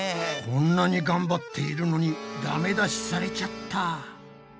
こんなに頑張っているのにダメ出しされちゃった！